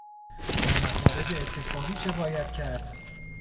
با مخارج اتفاقی چه باید کرد؟